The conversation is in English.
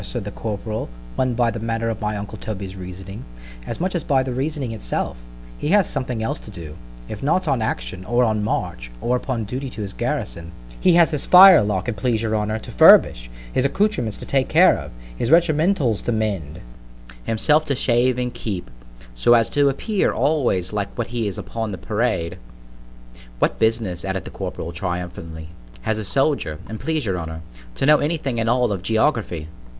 said the corporal, won by the manner of my uncle Toby's reasoning, as much as by the reasoning itself, he has something else to do; if not on action, or a march, or upon duty in his garrison—he has his firelock, an' please your honour, to furbish—his accoutrements to take care of—his regimentals to mend—himself to shave and keep clean, so as to appear always like what he is upon the parade; what business, added the corporal triumphantly, has a soldier, an' please your honour, to know any thing at all of _geography?